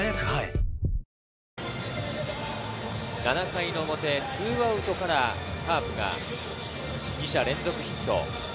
７回表、２アウトからカープが２者連続ヒット。